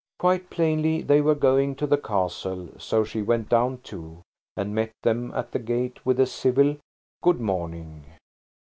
Quite plainly they were going to the castle–so she went down, too, and met them at the gate with a civil "Good morning."